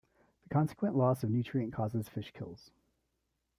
The consequent loss of nutrient causes fish kills.